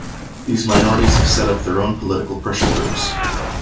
These minorities have set up their own political pressure groups.